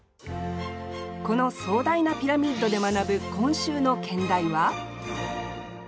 この壮大なピラミッドで学ぶ今週の兼題は？